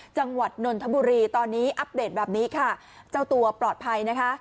จังหวัดนนทบุรีตอนนี้อัปเดตแบบนี้ค่ะเจ้าตัวปลอดภัยนะคะ